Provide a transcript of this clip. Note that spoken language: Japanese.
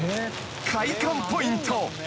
［快感ポイント］